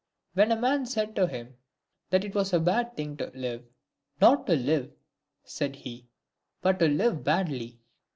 When a man said to him, that it was a bad thing to live ;" Not to live," said he, " but to live badly."